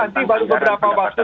nanti baru beberapa waktu